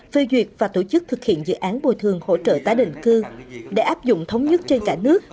phê duyệt và tổ chức thực hiện dự án bồi thường hỗ trợ tái định cư để áp dụng thống nhất trên cả nước